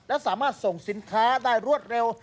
และสามารถส่งสินค้าได้รวดเร็ว